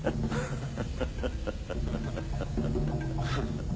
ハハハハ。